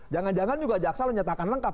jangan jangan juga jaksa menyatakan lengkap